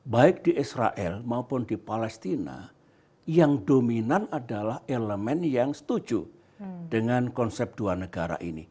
baik di israel maupun di palestina yang dominan adalah elemen yang setuju dengan konsep dua negara ini